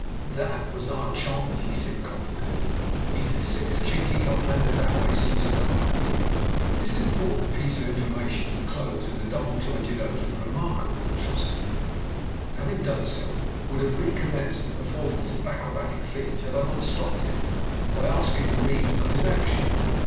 "'That was Ah Chong,' he said confidentially. 'He's the sixth Chinkie I've landed that way since dark.' "This important piece of information he closed with a double jointed oath of remarkable atrocity, and, having done so, would have recommenced the performance of acrobatic feats had I not stopped him by asking the reason of his action.